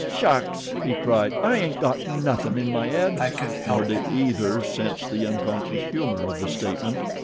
"Shucks!" he cried. "I ain't got nothin' in my head," nor did either sense the unconscious humor of the statement.